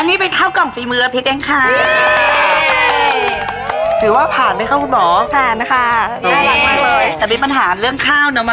อันนี้เป็นเวลาเท่ากล่องฟรีมือพริตแดงคลาย